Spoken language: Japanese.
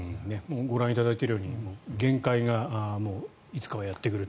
ご覧いただいているように限界がいつかはやってくると。